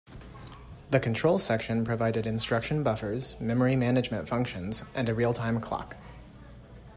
The control section provided instruction buffers, memory management functions, and a real-time clock.